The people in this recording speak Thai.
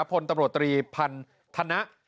พลตำรวจตรีพันธนะ